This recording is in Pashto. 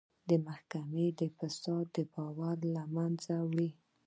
د محکمې فساد باور له منځه وړي.